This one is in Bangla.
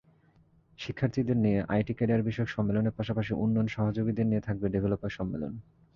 শিক্ষার্থীদের নিয়ে আইটি ক্যারিয়ারবিষয়ক সম্মেলনের পাশাপাশি উন্নয়ন সহযোগীদের নিয়ে থাকবে ডেভেলপার সম্মেলন।